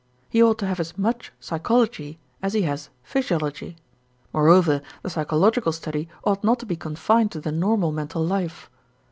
He ought to have as much psychology as he has physiology. Moreover the psychological study ought not to be confined to the normal mental life.